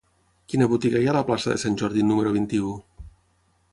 Quina botiga hi ha a la plaça de Sant Jordi número vint-i-u?